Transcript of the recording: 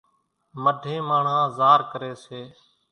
مڍين ماڻۿان زار ڪري سي